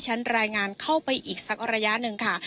จะข่าวไปอีกสักระยะหนึ่งค่ะ